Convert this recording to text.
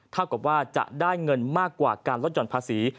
กับว่าจะได้เงินมากกว่าการลดหย่อนภาษี